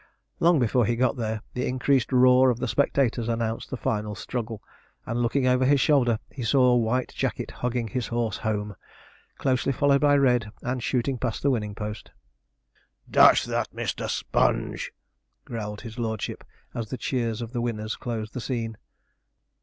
Long before he got there the increased uproar of the spectators announced the final struggle; and looking over his shoulder, he saw white jacket hugging his horse home, closely followed by red, and shooting past the winning post. 'Dash that Mr. Sponge!' growled his lordship, as the cheers of the winners closed the scene.